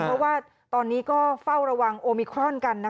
เพราะว่าตอนนี้ก็เฝ้าระวังโอมิครอนกัน